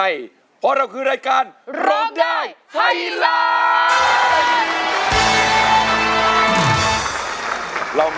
กว่าจะจบรายการเนี่ย๔ทุ่มมาก